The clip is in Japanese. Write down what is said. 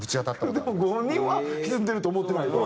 でもご本人は歪んでると思ってないと。